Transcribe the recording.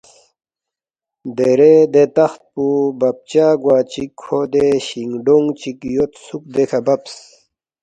دیرے دے تخت پو ببچا گوا چِک کھو دے شِنگ ڈوُنگ چِک یودسُوک دیکھہ ببس